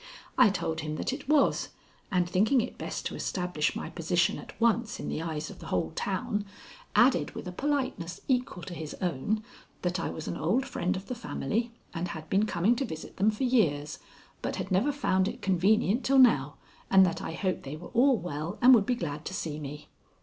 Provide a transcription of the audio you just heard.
I told him that it was, and thinking it best to establish my position at once in the eyes of the whole town, added with a politeness equal to his own, that I was an old friend of the family, and had been coming to visit them for years, but had never found it convenient till now, and that I hoped they were all well and would be glad to see me.